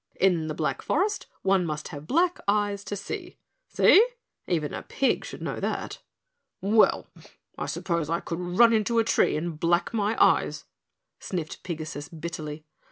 "In the Black Forest one must have black eyes to see. See? Even a pig should know that." "Well, I suppose I could run into a tree and black my eyes," sniffed Pigasus bitterly.